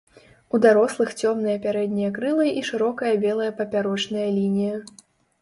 У дарослых цёмныя пярэднія крылы і шырокая белая папярочная лінія.